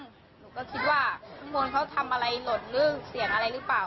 หนูก็คิดว่าข้างบนเขาทำอะไรหล่นเรื่องเสียงอะไรหรือเปล่า